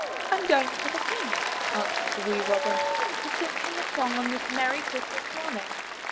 *' 'Tm going to the King," answered the wee Robin, ''to sing him a song on this merry Christ mas morning."